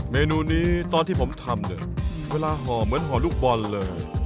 เมนูนี้ตอนที่ผมทำเนี่ยเวลาห่อเหมือนห่อลูกบอลเลย